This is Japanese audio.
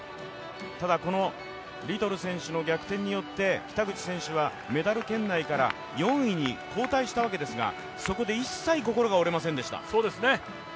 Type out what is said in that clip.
ただこのリトル選手の逆転によって北口選手はメダル圏内から４位に後退したわけですがそこで一切心は折れませんでした。